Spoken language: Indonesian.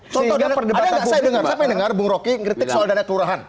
contohnya ada nggak saya dengar saya dengar bung rocky kritik soal dana kelurahan